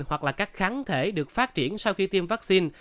hoặc là các kháng thể được phát triển sau khi tiêm vaccine